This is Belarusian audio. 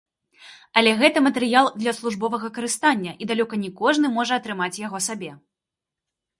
Але гэта матэрыял для службовага карыстання і далёка не кожны можа атрымаць яго сабе.